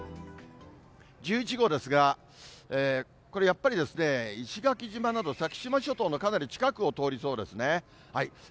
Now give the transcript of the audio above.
１１号ですが、これ、やっぱり石垣島など先島諸島のかなり近くを通りそうですね。